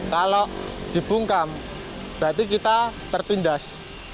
kalau di bungkam berarti kita tertindas